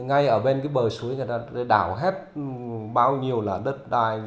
ngay ở bên cái bờ suối người ta đảo hết bao nhiêu là đất đai